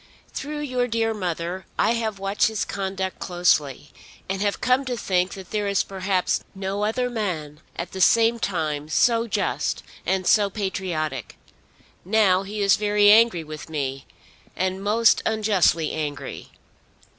Through your dear mother I have watched his conduct closely, and have come to think that there is perhaps no other man at the same time so just and so patriotic. Now he is very angry with me, and most unjustly angry."